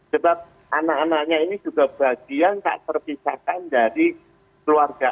sebab anak anaknya ini juga bagian tak terpisahkan dari keluarga